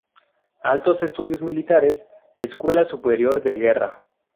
Altos Estudios Militares, Escuela Superior de Guerra.